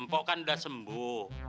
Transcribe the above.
empok kan udah sembuh